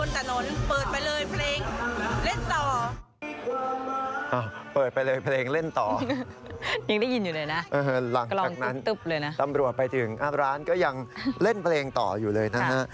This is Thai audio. ตำรวจไปถึงร้านก็ยังเล่นเพลงต่ออยู่เลยนะฮะ